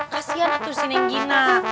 kasian atur sini gina